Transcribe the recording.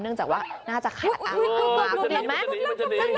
เนื่องจากว่าน่าจะขาดอาหารมากดีไหม